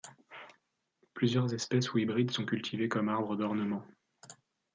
Plusieurs espèces ou hybrides sont cultivés comme arbres d'ornement.